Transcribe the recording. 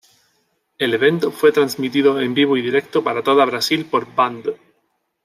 El evento fue transmitido en vivo y directo para toda Brasil por Band.